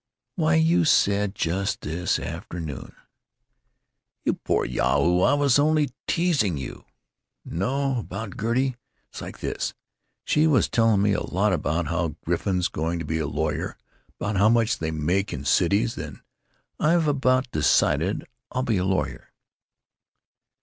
"Why, you said, just this afternoon——" "You poor yahoo, I was only teasing you. No; about Gertie. It's like this: she was telling me a lot about how Griffin 's going to be a lawyer, about how much they make in cities, and I've about decided I'll be a lawyer."